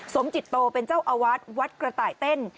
สมจิตโตเป็นเจ้าอาวาสวัดกระต่ายเต้น